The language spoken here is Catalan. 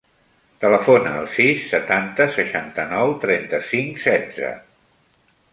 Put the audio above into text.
Telefona al sis, setanta, seixanta-nou, trenta-cinc, setze.